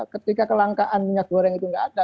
ketika kelangkaan minyak goreng itu nggak ada